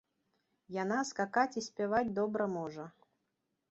Яна скакаць і спяваць добра можа.